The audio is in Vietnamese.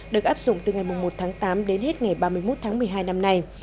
được áp dụng từ ngày một tháng tám đến hết ngày ba mươi một tháng một mươi hai năm nay